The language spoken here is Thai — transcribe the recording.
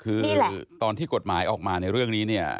คือตอนที่กฎหมายออกมาในเรื่องนี้เนี่ย